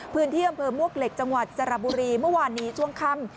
พื้นที่อำเภอมวกเหล็กจังหวัดสระบุรีเมื่อวานนี้ช่วงค่ำ